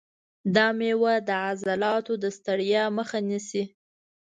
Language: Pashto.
دا مېوه د عضلاتو د ستړیا مخه نیسي.